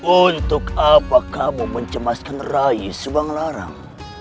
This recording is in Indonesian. untuk apa kamu mencemaskan rayi subanglarang